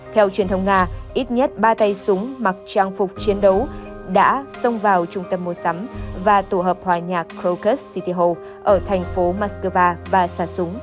theo truyền thông nga ít nhất ba tay súng mặc trang phục chiến đấu đã xông vào trung tâm mua sắm và tổ hợp hòa nhạc krokus cityal ở thành phố moscow và xả súng